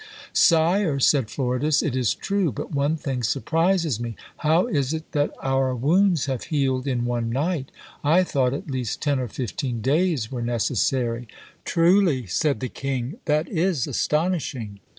Sire (said Floridas), it is true; but one thing surprises me: how is it that our wounds have healed in one night? I thought at least ten or fifteen days were necessary. Truly, said the king, that is astonishing!